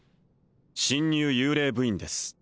新入幽霊部員です